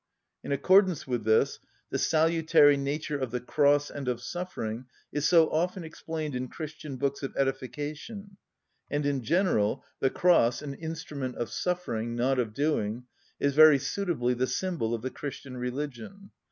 In accordance with this, the salutary nature of the cross and of suffering is so often explained in Christian books of edification, and in general the cross, an instrument of suffering, not of doing, is very suitably the symbol of the Christian religion.